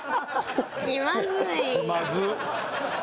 気まずっ。